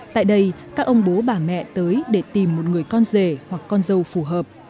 tại đây các ông bố bà mẹ tới để tìm một người con rể hoặc con dâu phù hợp